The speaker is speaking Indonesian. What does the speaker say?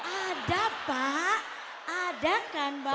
ada pak ada kan pak